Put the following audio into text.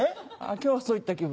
今日はそういった気分で。